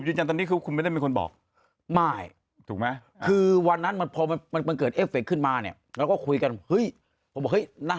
ผู้หยาบหยาบหมาสักตัวยังไม่รู้จักตอนนั้น